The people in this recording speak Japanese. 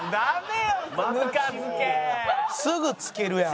すぐ漬けるやん。